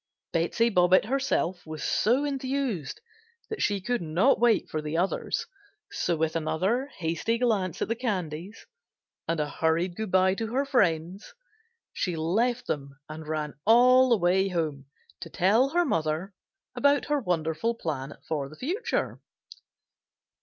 Betsey Bobbitt herself was so enthused that she could not wait for the others, so with another hasty glance at the candies and a hurried goodbye to her friends she left them and ran all the way home to tell mother about her wonderful plan for the future.